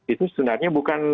itu sebenarnya bukan